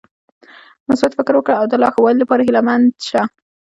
مثبت فکر وکړه او د لا ښوالي لپاره هيله مند شه .